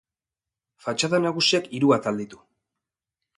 Fatxada nagusiak hiru atal ditu.